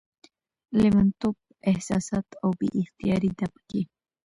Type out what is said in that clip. لېونتوب، احساسات او بې اختياري ده پکې